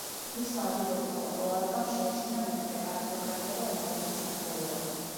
მისმა უდიდესმა პოპულარობამ შეაშინა მეფე, არისტოკრატია და უმაღლესი სამღვდელოება.